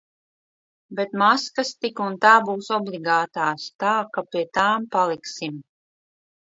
Bet maskas tik un tā būs obligātās, tā ka pie tām paliksim.